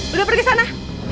udah pergi sana